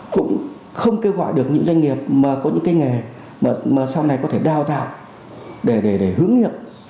cũng không kêu gọi được những doanh nghiệp mà có những cái nghề mà sau này có thể đào tạo để hướng nghiệp